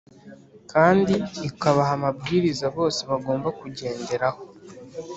kandi ikabaha amabwiriza bose bagomba kugenderaho.